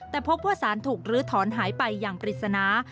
แต่พบว่าสารถูกลื้อถอนหายไปอย่างปริศนา